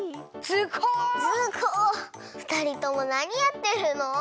ふたりともなにやってるの？